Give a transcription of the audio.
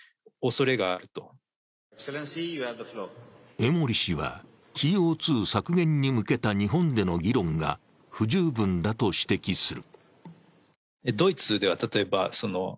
江守氏は、ＣＯ２削減に向けた日本での議論が不十分だと指摘する。